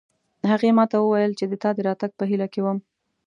هغې ما ته وویل چې د تا د راتګ په هیله کې وم